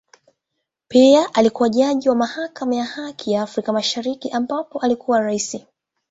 Pia alikua jaji wa Mahakama ya Haki ya Afrika Mashariki ambapo alikuwa Rais.